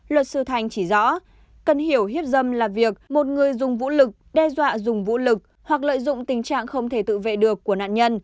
luật sư thành chỉ rõ cần hiểu hiếp dâm là việc một người dùng vũ lực đe dọa dùng vũ lực hoặc lợi dụng tình trạng không thể tự vệ được của nạn nhân